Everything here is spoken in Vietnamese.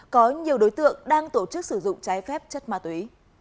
có nhiều đối tượng đang tổ chức sử dụng trái phép chất ma túy